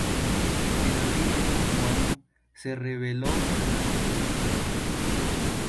En abril del mismo año, se reveló la nueva formación.